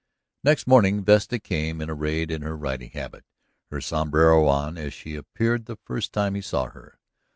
Next morning Vesta came in arrayed in her riding habit, her sombrero on, as she had appeared the first time he saw her.